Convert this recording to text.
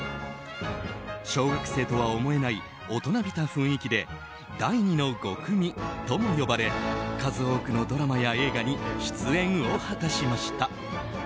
小学生とは思えない大人びた雰囲気で第２のゴクミとも呼ばれ数多くのドラマや映画に出演を果たしました。